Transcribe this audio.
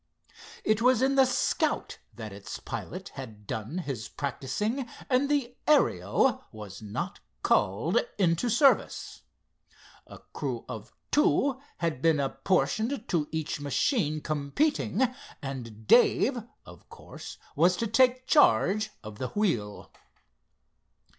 It was in the Scout that its pilot had done his practicing and the Ariel was not called into service. A crew of two was apportioned to each machine competing and Dave of course was to take charge of the wheel.